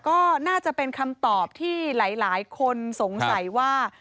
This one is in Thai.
ก็น่าจะเป็นคำตอบที่หลายคนสงสัยว่า